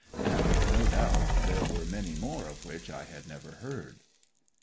And no doubt there were many more of which I had never heard.